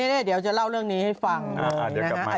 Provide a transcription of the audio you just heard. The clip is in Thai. เดี๋ยวจะเล่าเรื่องนี้ให้ฟังนะฮะ